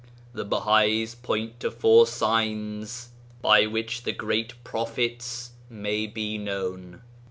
The Bahais point to four signs by which the 14 Great Prophets may be known.